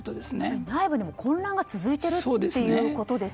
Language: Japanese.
内部でも混乱が続いているんですね。